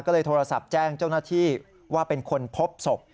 ก็เลยโทรศัพท์แจ้งเจ้าหน้าที่ว่าเป็นคนพบศพ